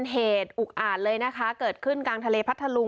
เหตุอุกอ่านเลยนะคะเกิดขึ้นกลางทะเลพัทธลุง